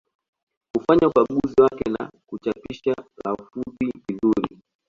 Kufanya ukaguzi wake na kuchapisha lafudhi vizuri